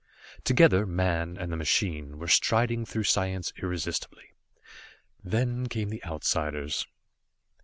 Together, man and the machine were striding through science irresistibly. Then came the Outsiders.